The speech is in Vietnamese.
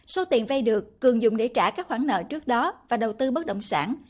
số tiền vay được cường dùng để trả các khoản nợ trước đó và đầu tư bất động sản